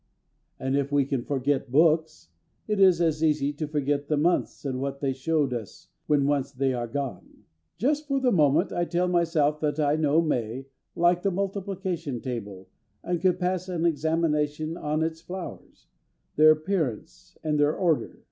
And, if we can forget books, it is as easy to forget the months and what they showed us, when once they are gone. Just for the moment I tell myself that I know May like the multiplication table and could pass an examination on its flowers, their appearance and their order.